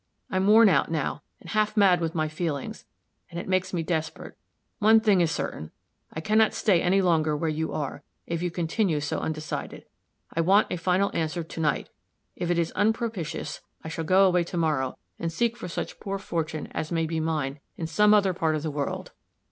I'm worn out, now, and half mad with my feelings and it makes me desperate. One thing is certain: I can not stay any longer where you are, if you continue so undecided. I want a final answer to night. If it is unpropitious, I shall go away to morrow, and seek for such poor fortune as may be mine, in some other part of the world."